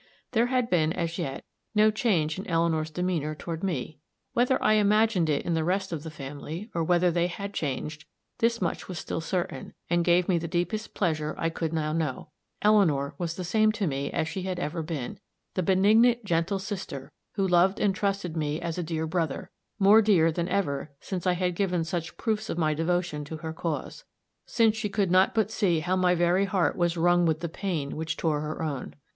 There had been, as yet, no change in Eleanor's demeanor toward me. Whether I imagined it in the rest of the family, or whether they had changed, this much was still certain, and gave me the deepest pleasure I could now know: Eleanor was the same to me as she had ever been the benignant, gentle sister, who loved and trusted me as a dear brother more dear than ever since I had given such proofs of my devotion to her cause since she could not but see how my very heart was wrung with the pain which tore her own.